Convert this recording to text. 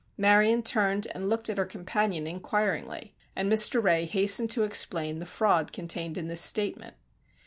Marion turned and looked at her companion inquiringly, and Mr. Ray hastened to explain the fraud contained in this statement.